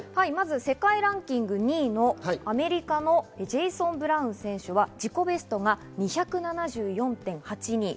世界ランキング２位のアメリカのジェイソン・ブラウン選手は自己ベストは２７４．８２。